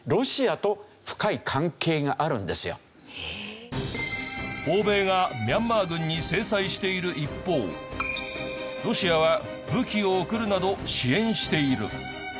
実はミャンマーの欧米がミャンマー軍に制裁している一方ロシアは武器を送るなど支援している。